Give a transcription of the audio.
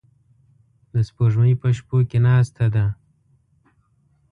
د سپوږمۍ په شپو کې ناسته ده